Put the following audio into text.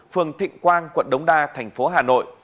phường thịnh quang quận đống đa tp hà nội